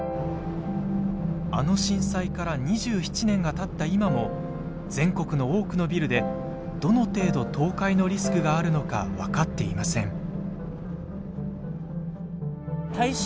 あの震災から２７年がたった今も全国の多くのビルでどの程度倒壊のリスクがあるのか分かっていません。